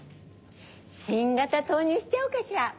新型、投入しちゃおうかしら。